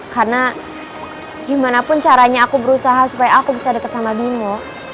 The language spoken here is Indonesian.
karena gimana pun caranya aku berusaha supaya aku bisa deket sama bimo